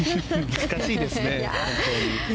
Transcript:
難しいですね。